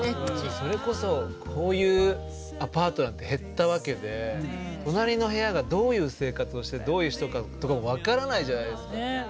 それこそこういうアパートなんて減ったわけで隣の部屋がどういう生活をしてどういう人かとかも分からないじゃないですか。